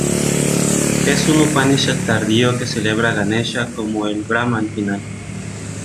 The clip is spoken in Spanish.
Es un "Upanishad" tardío que celebra a Ganesha como el Brahman final.